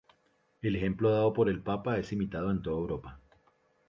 El ejemplo dado por el papa es imitado en toda Europa.